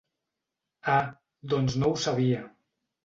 Ah, doncs no ho sabia.